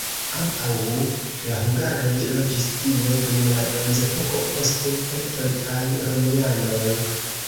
Antaŭ la hungaroj loĝis tie dum la bronzepoko, poste keltoj kaj romianoj.